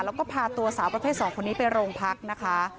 แล้วก็พาตัวสาวประเภท๒คนนี้ไปโรงพักนะคะ